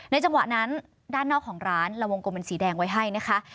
จังหวะนั้นด้านนอกของร้านเราวงกลมเป็นสีแดงไว้ให้นะคะ